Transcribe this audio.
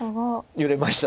揺れました。